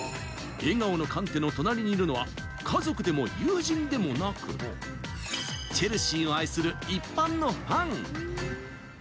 笑顔のカンテの隣りにいるのは家族でも友人でもなく、チェルシーを愛する一般のファン。